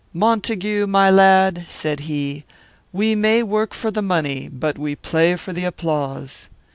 'Montague, my lad,' said he 'we may work for the money, but we play for the applause.